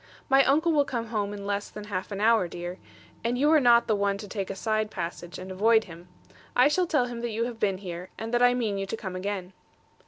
'My uncle will come home in less than half an hour, dear: and you are not the one to take a side passage, and avoid him. I shall tell him that you have been here; and that I mean you to come again.'